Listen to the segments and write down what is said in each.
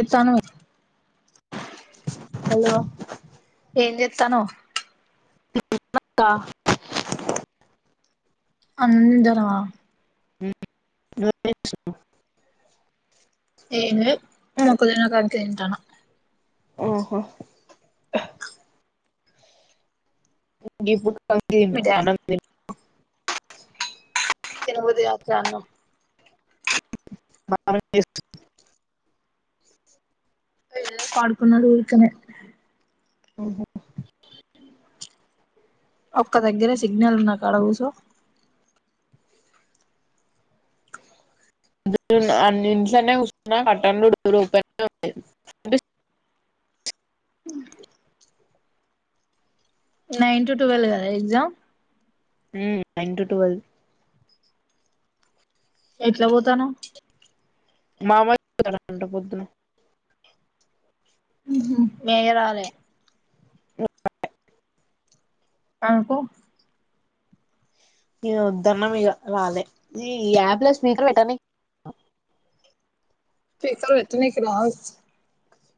ఏతను hello ఏం జేతనవ్ ఉమ్ అక్క [unintelligible] అందరవా ఉమ్ నువ్వే చెప్పు ఏను న కుదిరినకాడికి దింటన ఊహు అహ్ ఉ గిపు పంగ్దీమ్ మీ డాడ్ అనం దిన్ [inaudible] తినబుది గాట్లే అన్నం దానం జెస్కో పడుకున్నడు ఊర్కనే ఉహు ఒక్క దగ్గరే సిగ్నల్ ఉన్న కాడ గూసో అన్నింట్లనే గుర్చున కర్టెండ్లు door open [unintelligible] nine to twelve కదా ఎగ్జామ్ ఊ నైన్ టు టువెల్ ఎట్ల వోతనవ్ మామయ్ పోతన్న [unintelligible] అంత పొద్దున్నే ఆహా మీ అయ్యరాలే నాకు ఈగ వద్దన్న మిగ రాలే ఈ యాప్ స్పీకర్ వెట్టని ఫికర్ వెటనికి రాదు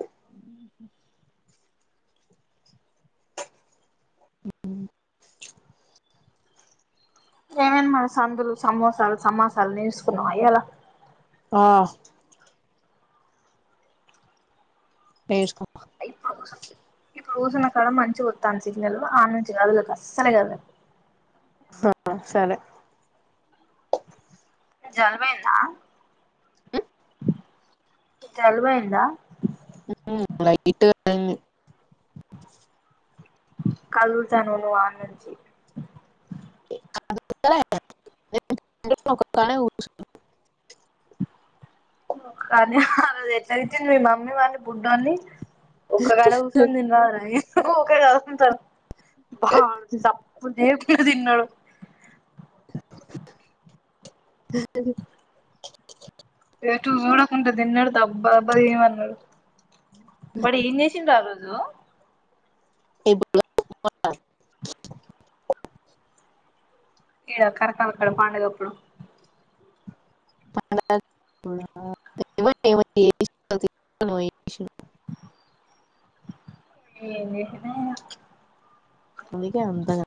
ఊహు ఉ ఊ ఏమో సందులు, సమోసాలు, సమాసాలు నేసుకున్నవ ఇయ్యలా. ఆ నేర్సుకు అ రోజు నా కాడ మంచిగొతంది సిగ్నల్ ఆ నుంచి కదలకు అసలే కదలకు సరే [unintelligible] సరే జల్బైంద జల్బైంద ఉఊ వైట్ ఐంది కలుడుతను నువ్ వానుంచి [unintelligible] రేపు అంటే ఒక ప్రాణమే ఒచ్చు కాని [unintelligible] ఆ రజు ఎట్ల దిట్టిది మమ్మీ వాని బుడ్డోని ఒక్కగాడ కూసొం దిందాం రాయె [unintelligible] ఒకడే ఆడుకుంటండు బావుడ్ సప్పుడ్ జేయకు ఎటు చూడకుండా తిన్నాడు దబ్బా దబ్బా తినమన్నాడు వాడు ఏం చేసిండు ఆ రోజు ఈడ కరకాల కాడ పండగప్పుడు ఇప్పుడు ఏమో చేసి ఏం చేసిండో ఏమో అందుకే అంతగా